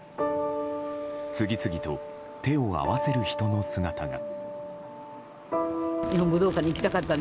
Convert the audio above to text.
次々と手を合わせる人の姿が。